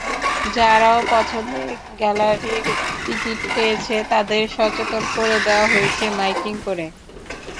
যারাও পছন্দের গ্যালারির টিকিট পেয়েছে তাদের সচেতন করে দেওয়া হয়েছে মাইকিং করে।